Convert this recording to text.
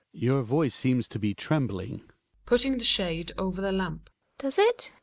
Hjalmar. Your voice seems to me to be trembling. GiNA {putting the shade over the lamp). Does it?